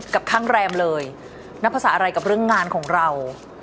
กับข้างแรมเลยนับภาษาอะไรกับเรื่องงานของเรา